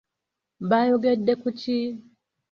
Baayogedde ku ki?